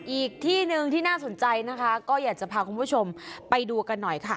อีกที่หนึ่งที่น่าสนใจนะคะก็อยากจะพาคุณผู้ชมไปดูกันหน่อยค่ะ